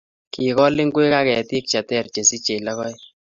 kikool ngwek ak ketik cheteer chesichei lokoek